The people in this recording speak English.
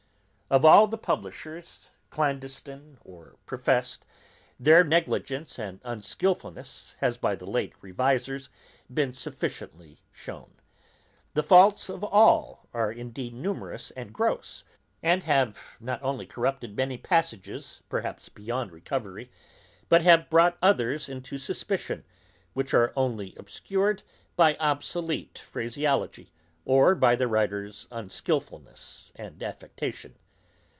Of all the publishers, clandestine or professed, their negligence and unskilfulness has by the late revisers been sufficiently shown. The faults of all are indeed numerous and gross, and have not only corrupted many passages perhaps beyond recovery, but have brought others into suspicion, which are only obscured by obsolete phraseology, or by the writer's unskilfulness and affectation.